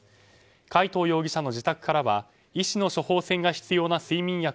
海藤容疑者の自宅からは医師の処方箋が必要な睡眠薬